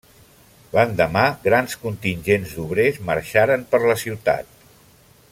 L'endemà, grans contingents d'obrers marxaren per la ciutat.